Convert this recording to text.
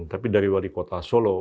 tapi dari wali kota solo